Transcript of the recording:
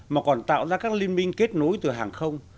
mà còn tạo ra các liên minh kết nối từ hàng không